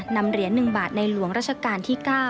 นำเหรียญ๑บาทในหลวงราชการที่๙